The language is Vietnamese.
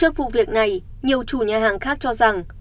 trước vụ việc này nhiều chủ nhà hàng khác cho rằng